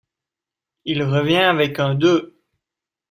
Il revient avec un deux.